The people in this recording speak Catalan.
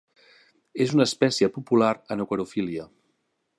És una espècie popular en aquariofília.